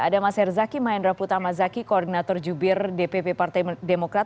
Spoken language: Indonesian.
ada mas herzaki maendra putra mazaki koordinator jubir dpp partai demokrat